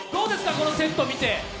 このセット見て。